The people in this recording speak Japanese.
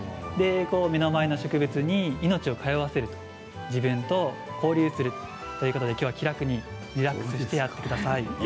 目の前の植物に命を通わせる自分と交流するそういうことで気楽にリラックスしてやってください。